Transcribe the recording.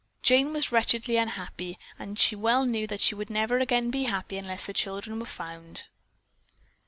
Jane was wretchedly unhappy and she well knew that she never again would be happy unless the children were found.